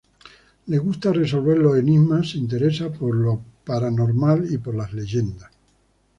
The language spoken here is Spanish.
Le gusta resolver los enigmas, se interesa por lo paranormal y por las leyendas.